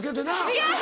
違う！